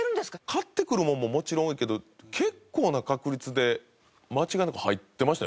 買ってくるものももちろん多いけど結構な確率で間違いなく入ってましたよ。